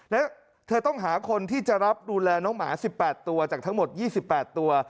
และเธอต้องหาคนที่จะรับดูแลน้องหมา๑๘ตัวจากทั้งหมด๒๘ตัว